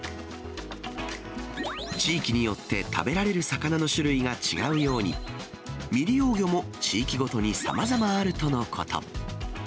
地域によって、食べられる魚の種類が違うように、未利用魚も地域ごとに、さまざまあるとのこと。